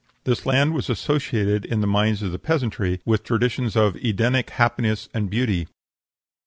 This land was associated in the minds of the peasantry with traditions of Edenic happiness and beauty.